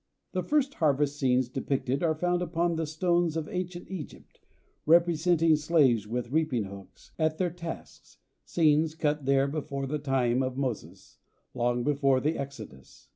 The first harvest scenes depicted are found upon the stones of ancient Egypt, representing slaves with reaping hooks, at their tasks, scenes cut there before the time of Moses long before the exodus.